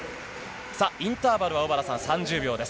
さあ、インターバルは小原さん、３０秒です。